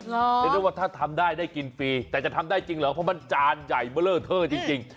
เรียกได้ว่าถ้าทำได้ได้กินฟรีแต่จะทำได้จริงเหรอเพราะมันจานใหญ่เบอร์เลอร์เทอร์จริง